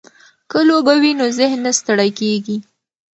که لوبه وي نو ذهن نه ستړی کیږي.